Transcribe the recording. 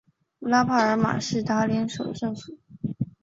拉帕尔马是达连省首府。